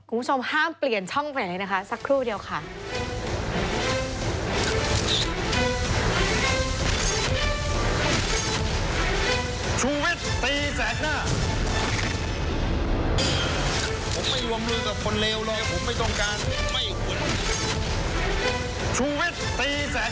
คุณผู้ชมห้ามเปลี่ยนช่องไปไหนนะคะสักครู่เดียวค่ะ